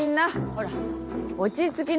ほら落ち着きな。